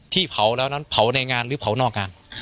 เผาแล้วนั้นเผาในงานหรือเผานอกงาน